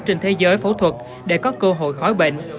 trên thế giới phẫu thuật để có cơ hội khỏi bệnh